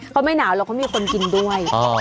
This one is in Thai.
เขาไม่หนาวแล้วเขามีคนกินด้วย